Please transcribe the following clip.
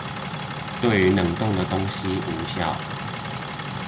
對於冷凍的東西無效